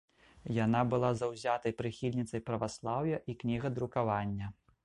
Яна была заўзятай прыхільніцай праваслаўя і кнігадрукавання.